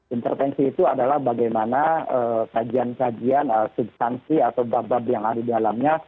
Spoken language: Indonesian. intervensi itu adalah bagaimana kajian kajian substansi atau bab bab yang ada di dalamnya